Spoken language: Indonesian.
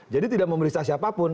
jadi tidak memeriksa siapapun